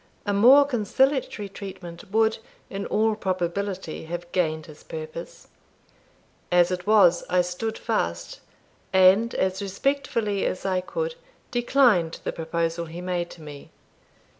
A more conciliatory treatment would, in all probability, have gained his purpose. As it was, I stood fast, and, as respectfully as I could, declined the proposal he made to me.